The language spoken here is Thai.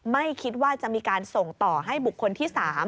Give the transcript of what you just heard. ไม่คิดว่าจะมีการส่งต่อให้บุคคลที่๓